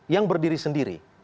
yang berdiri sendiri